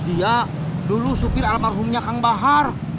dia dulu supir almarhumnya kang bahar